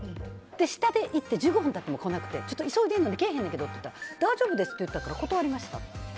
下に行って１５分経っても来なくてけえへんねんけどって言ったら「大丈夫です」って言ってたから断りましたって。